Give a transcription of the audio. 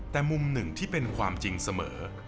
แต่มุมหนึ่งที่เป็นความจริงเสมอ